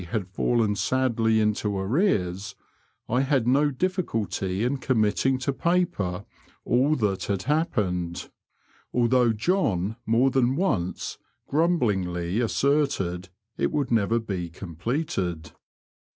129 liad fallen sadly into arrears, I had no difficulty in committing to paper all that had happened, although John more than •once grumblingly asserted it would never be completed.